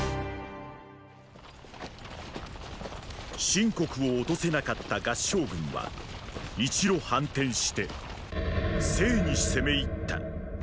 秦国を落とせなかった合従軍は一路反転して「斉」に攻め入った。